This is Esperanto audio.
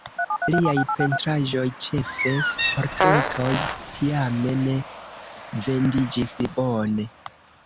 Liaj pentraĵoj, ĉefe portretoj, tiame ne vendiĝis bone.